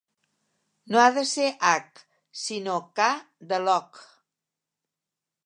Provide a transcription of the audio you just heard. No ha de ser hac, sinó ca, de lock.